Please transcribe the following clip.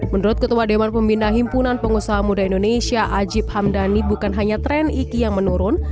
menurut ketua dewan pembina himpunan pengusaha muda indonesia ajib hamdani bukan hanya tren iki yang menurun